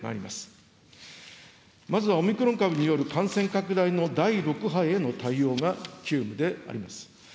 まずはオミクロン株による感染拡大の第６波への対応が急務であります。